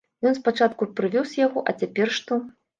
Ён спачатку прывёз яго, а цяпер што?